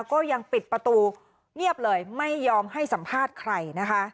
ก็ยังปิดประตูเงียบเลยไม่ยอมให้สัมภาษณ์ใครนะคะ